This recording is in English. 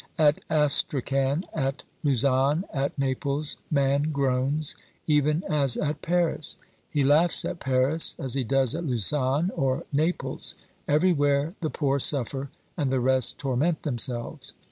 At Astrakan, at Lausanne, at Naples man groans, even as at Paris ; he laughs at Paris as he does at Lausanne or Naples. Every where the poor suffer and the rest torment themselves.